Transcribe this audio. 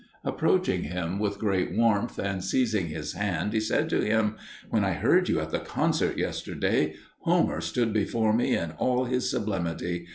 Approaching him with great warmth, and seizing his hand, he said to him, "When I heard you at the concert yesterday, Homer stood before me in all his sublimity.